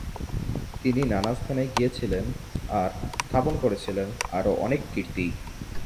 তিনি নানা স্থানে গিয়েছিলেন আর স্থাপন করেছিলেন আরো অনেক কীর্তি।